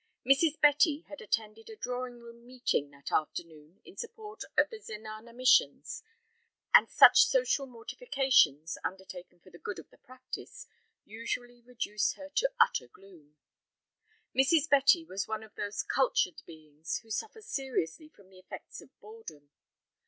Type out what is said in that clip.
Mrs. Betty had attended a drawing room meeting that afternoon in support of the zenana missions, and such social mortifications, undertaken for the good of the "practice," usually reduced her to utter gloom. Mrs. Betty was one of those cultured beings who suffer seriously from the effects of boredom.